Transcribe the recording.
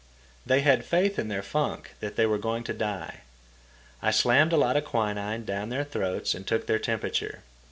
They had faith in their funk that they were going to die. I slammed a lot of quinine down their throats and took their temperature.